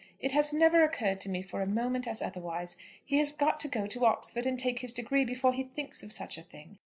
It has never occurred to me for a moment as otherwise. He has got to go to Oxford and take his degree before he thinks of such a thing.